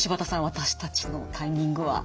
私たちのタイミングは。